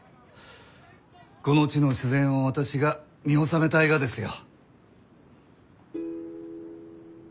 この地の自然を私が見納めたいがですよ。